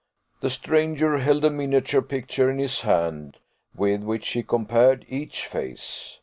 The stranger held a miniature picture in his hand, with which he compared each face.